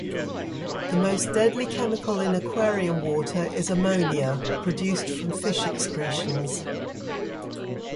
The most deadly chemical in aquarium water is ammonia, produced from fish excretions.